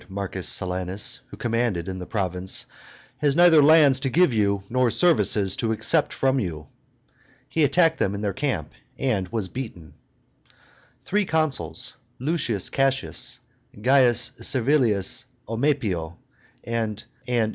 Silanus, who commanded in the province, "has neither lands to give you nor services to accept from you." He attacked them in their camp, and was beaten. Three consuls, L. Cassius, C. Servilius Omepio, and Cu.